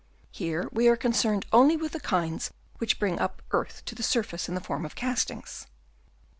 We are here concerned only with the kinds which bring up earth to the surface in the form of cast ings.